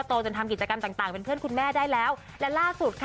โตจนที่ว่าเมื่อกี้คุณพ่อ